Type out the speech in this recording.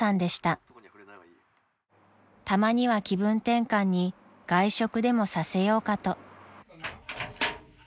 ［たまには気分転換に外食でもさせようかと］